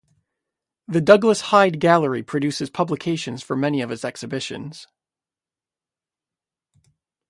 The Douglas Hyde Gallery produces publications for many of its exhibitions.